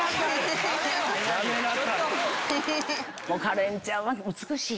カレンちゃんは美しい。